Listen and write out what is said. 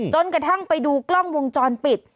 กระทั่งไปดูกล้องวงจรปิด